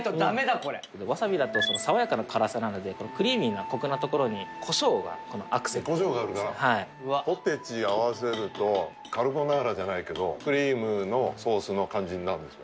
これわさびだと爽やかな辛さなのでクリーミーなコクなところにコショウがこのアクセントコショウがあるからポテチ合わせるとカルボナーラじゃないけどクリームのソースの感じになるんですよ